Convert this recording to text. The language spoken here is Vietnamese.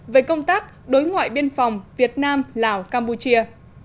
về công tác đối ngoại biên phòng việt nam lào campuchia